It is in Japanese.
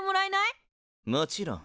もちろん。